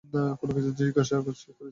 কোন কিছু জিজ্ঞিসা করেছি?